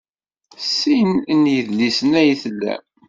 Sin n yidlisen ay tlam?